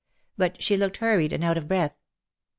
But she looked hurried and out of breath.